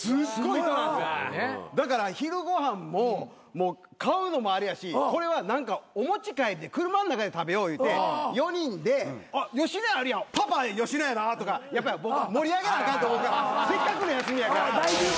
だから昼ご飯ももう買うのもあれやしこれは何かお持ち帰りで車ん中で食べよう言うて４人で野家あるやんパパ野家なとかやっぱ盛り上げなあかんせっかくの休みやから。